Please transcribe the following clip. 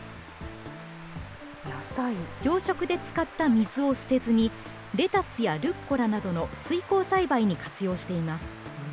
養殖で使った水を捨てずに、レタスやルッコラなどの水耕栽培に活用しています。